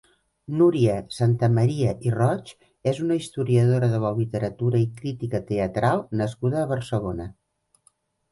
Núria Santamaria i Roig és una historiadora de la literatura i crítica teatral nascuda a Barcelona.